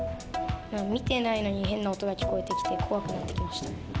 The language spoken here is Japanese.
見てないのに、変な音が聞こえてきて、怖くなってきました。